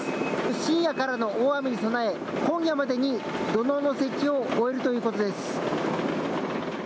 深夜からの大雨に備え今夜までに土のうの設置を終えるということです。